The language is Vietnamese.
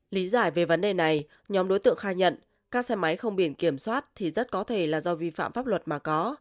lý giải về vấn đề này nhóm đối tượng khai nhận các xe máy không biển kiểm soát thì rất có thể là do vi phạm pháp luật mà có